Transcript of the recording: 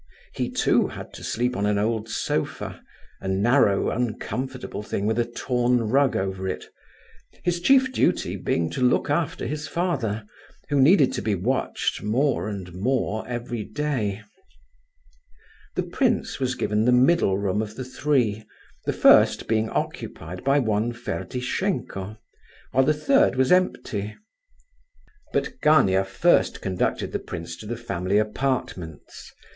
He, too, had to sleep on an old sofa, a narrow, uncomfortable thing with a torn rug over it; his chief duty being to look after his father, who needed to be watched more and more every day. The prince was given the middle room of the three, the first being occupied by one Ferdishenko, while the third was empty. But Gania first conducted the prince to the family apartments.